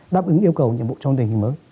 đáp ứng yêu cầu nhiệm vụ trong tình hình mới